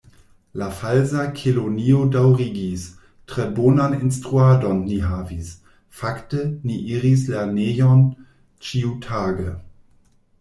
La Falsa Kelonio daŭrigis: "Tre bonan instruadon ni havis; fakte, ni iris lernejon ĉiutage"